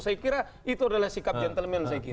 saya kira itu adalah sikap gentleman saya kira